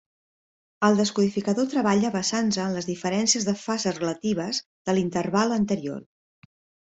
El descodificador treballa basant-se en les diferències de fase relatives de l’interval anterior.